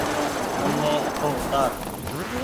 مني اٺون اوتآر ۔